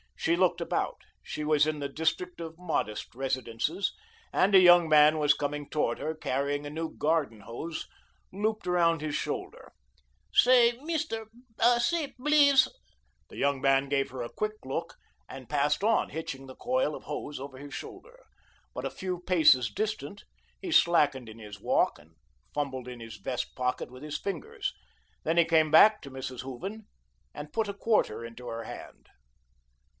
She looked about. She was in the district of modest residences, and a young man was coming toward her, carrying a new garden hose looped around his shoulder. "Say, Meest'r; say, blease " The young man gave her a quick look and passed on, hitching the coil of hose over his shoulder. But a few paces distant, he slackened in his walk and fumbled in his vest pocket with his fingers. Then he came back to Mrs. Hooven and put a quarter into her hand.